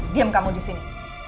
diam kamu di sini